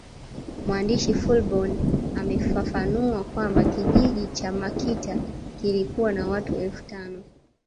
Mwandishi Fullborn amefafanua kwamba kijiji cha Makita kilikuwa na watu elfu tano